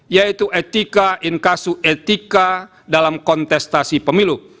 yaitu etika inkasu etika dalam kontestasi pemilu